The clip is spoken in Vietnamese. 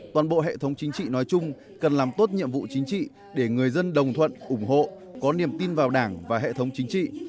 toàn bộ hệ thống chính trị nói chung cần làm tốt nhiệm vụ chính trị để người dân đồng thuận ủng hộ có niềm tin vào đảng và hệ thống chính trị